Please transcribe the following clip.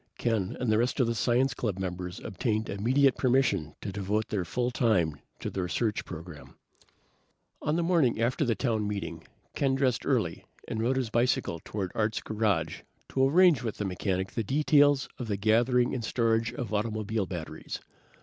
Ken and the rest of the science club members obtained immediate permission to devote their full time to the research program. On the morning after the town meeting, Ken dressed early and rode his bicycle toward Art's garage to arrange with the mechanic the details of the gathering and storage of automobile batteries.